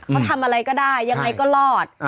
เขาทำอะไรก็ได้ยังไงก็รอด